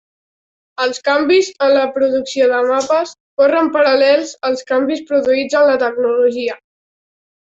Els canvis en la producció de mapes corren paral·lels als canvis produïts en la tecnologia.